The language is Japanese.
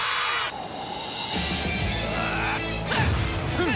フン！